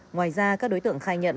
ngoài ra các đối tượng khai nhận